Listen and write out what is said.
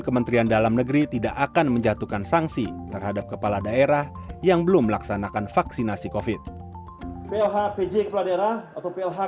kementerian dalam negeri memberikan legitimasi kepada pejabat pengganti di daerah yang kepala daerahnya belum dilantik pasca pilkada untuk melaksanakan program vaksinasi